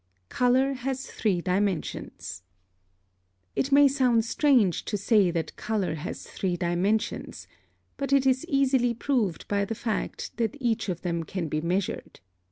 +Color has three dimensions.+ (8) It may sound strange to say that color has three dimensions, but it is easily proved by the fact that each of them can be measured.